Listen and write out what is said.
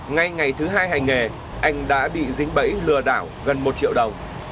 ngay ngày thứ hai hành nghề anh đã bị dính bẫy lừa đảo gần một triệu đồng